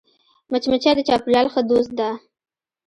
مچمچۍ د چاپېریال ښه دوست ده